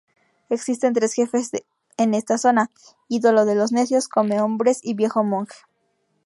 Existen tres jefes en esta zona: Ídolo de los necios, Come-hombres y Viejo Monje.